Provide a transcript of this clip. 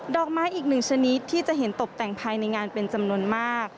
อกไม้อีกหนึ่งชนิดที่จะเห็นตกแต่งภายในงานเป็นจำนวนมาก